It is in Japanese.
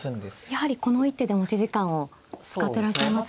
やはりこの一手で持ち時間を使ってらっしゃいますね。